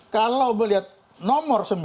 kalau melihat nomor sembilan